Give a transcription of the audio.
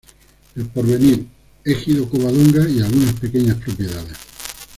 El Porvenir, Ejido Covadonga y algunas pequeñas propiedades.